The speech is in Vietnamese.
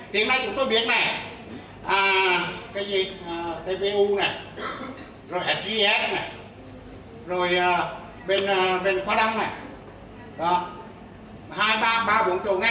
tiếng nói chúng tôi biết này cái gì tvu này rồi fgs này rồi bên quảng đông này bên quảng đông này bên quảng đông này bên quảng đông này bên quảng đông này bên quảng đông này